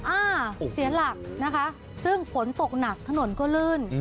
อ่าเสียหลักนะคะซึ่งฝนตกหนักถนนก็ลื่น